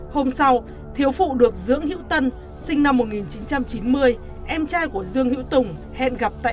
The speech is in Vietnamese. hôm sau thiếu phụ được dưỡng hữu tân sinh năm một nghìn chín trăm chín mươi em trai của dương hữu tùng hẹn gặp tại